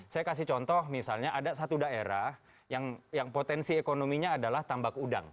saya kasih contoh misalnya ada satu daerah yang potensi ekonominya adalah tambak udang